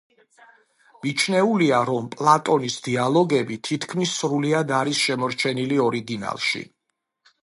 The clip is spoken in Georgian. მიჩნეულია, რომ პლატონის დიალოგები თითქმის სრულიად არის შემორჩენილი ორიგინალში.